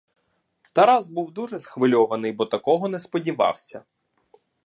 Тарас був дуже схвильований, бо такого не сподівався.